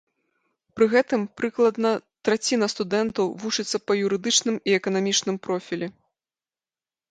Пры гэтым прыкладна траціна студэнтаў вучыцца па юрыдычным і эканамічным профілі.